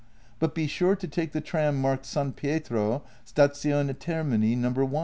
But be sure to take the tram marked San Pietro, stazione Termini, No. 1."